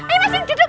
ayo mas yuk duduk